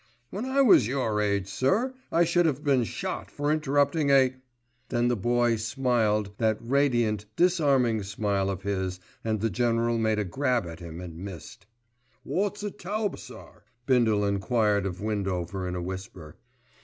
"When I was your age, sir, I should have been shot for interrupting a——" Then the Boy smiled that radiant, disarming smile of his and the General made a grab at him and missed. "Wot's a 'towber,' sir?" Bindle enquired of Windover in a whisper.